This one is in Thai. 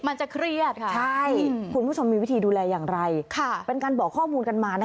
มันจะเครียดค่ะใช่คุณผู้ชมมีวิธีดูแลอย่างไรค่ะเป็นการบอกข้อมูลกันมานะคะ